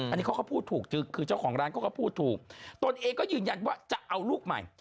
อันนี้เขาก็พูดถูกคือเจ้าของร้านเขาก็พูดถูกตนเองก็ยืนยันว่าจะเอาลูกใหม่